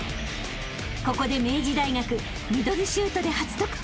［ここで明治大学ミドルシュートで初得点］